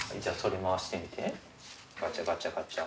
ガチャガチャガチャ。